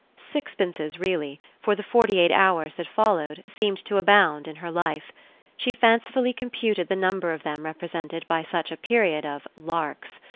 Sixpences really, for the forty eight hours that followed, seemed to abound in her life; she fancifully computed the number of them represented by such a period of "larks."